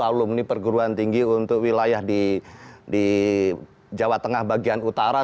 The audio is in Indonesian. alumni perguruan tinggi untuk wilayah di jawa tengah bagian utara